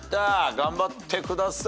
頑張ってください。